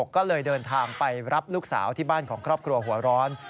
ก็เลยเดินทางไปรับลูกสาวที่บ้านของครอบครัวหัวร้อน